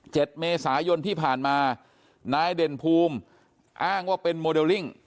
เมษายนที่ผ่านมานายเด่นภูมิอ้างว่าเป็นโมเดลลิ่ง